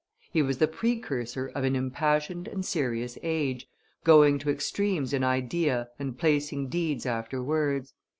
He was the precursor of an impassioned and serious age, going to extremes in idea and placing deeds after words.